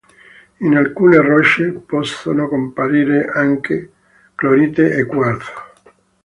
In alcune rocce possono comparire anche clorite e quarzo.